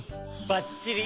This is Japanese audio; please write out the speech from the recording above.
ばっちり！